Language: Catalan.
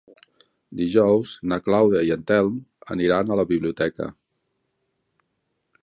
Dijous na Clàudia i en Telm aniran a la biblioteca.